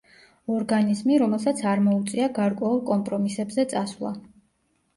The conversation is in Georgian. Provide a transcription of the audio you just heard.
ორგანიზმი, რომელსაც არ მოუწია გარკვეულ კომპრომისებზე წასვლა.